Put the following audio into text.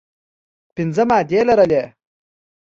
پنځه مادې لرلې.